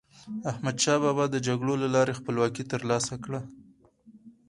احمدشاه بابا د جګړو له لارې خپلواکي تر لاسه کړه.